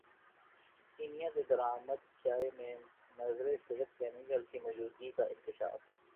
Kenya سے درامد چائے میں مضر صحت کیمیکل کی موجودگی کا انکشاف